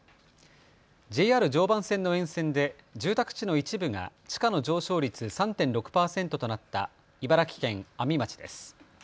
ＪＲ常磐線の沿線で住宅地の一部が地価の上昇率３．６％となった茨城県阿見町です。